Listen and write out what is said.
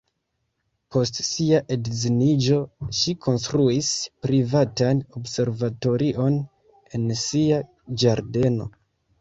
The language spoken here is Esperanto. Post sia edziniĝo, ŝi konstruis privatan observatorion en sia ĝardeno.